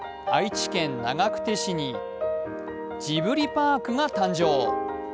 愛知県長久手市にジブリパークが誕生。